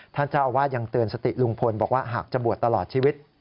ท่านเจ้าอาวาสยังเตือนสติลุงพลบอกว่าหากจะบวชตลอดชีวิต